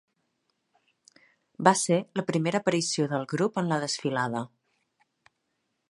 Va ser la primera aparició del grup en la desfilada.